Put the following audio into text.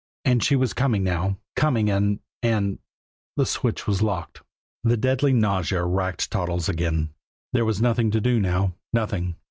And she was coming now, coming and and the switch was locked. The deadly nausea racked Toddles again; there was nothing to do now nothing.